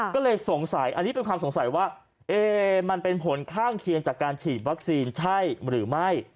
ก็เลยสงสัยอันนี้เป็นความสงสัยว่ามันเป็นผลข้างเคียงจากการฉีดวัคซีนใช่หรือไม่